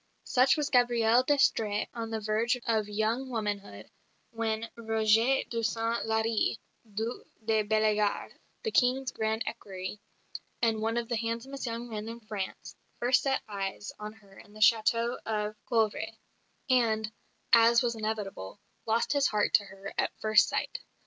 Such was Gabrielle d'Estrées on the verge of young womanhood when Roger de Saint Larry, Duc de Bellegarde, the King's grand equerry, and one of the handsomest young men in France, first set eyes on her in the château of Coeuvres; and, as was inevitable, lost his heart to her at first sight.